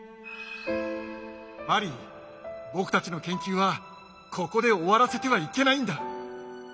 マリー僕たちの研究はここで終わらせてはいけないんだ。